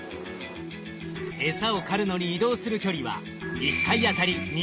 エサを狩るのに移動する距離は１回あたり２ｋｍ。